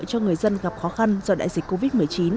cho người dân gặp khó khăn do đại dịch covid một mươi chín